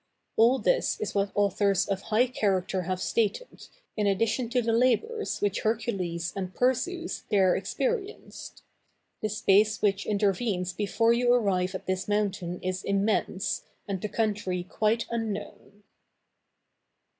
All this is what authors of high character have stated, in addition to the labors which Hercules and Perseus there experienced. The space which intervenes before you arrive at this mountain is immense, and the country quite unknown.